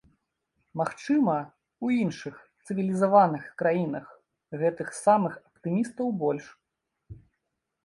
Магчыма, у іншых, цывілізаваных краінах гэтых самых аптымістаў больш.